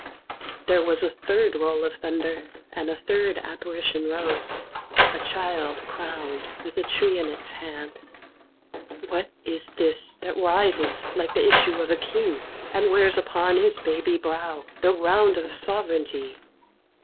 There was a third roll of thunder, and a third Apparition rose a Child crowned, with a tree in its hand. "What is this that rises like the issue of a King, and wears upon his baby brow the round of sovereignty?"